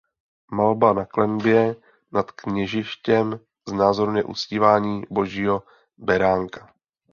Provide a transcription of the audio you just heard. Malba na klenbě nad kněžištěm znázorňuje uctívání Božího beránka.